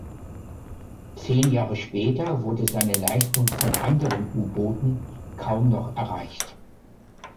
Zehn Jahre später wurde seine Leistung von anderen U-Booten kaum noch erreicht.